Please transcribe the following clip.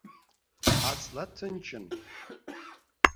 Аҵла ҭынчын.